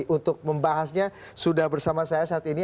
untuk membahasnya sudah bersama saya saat ini